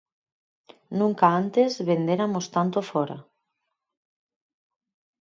Nunca antes venderamos tanto fóra.